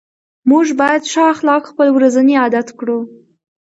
موږ باید ښه اخلاق خپل ورځني عادت کړو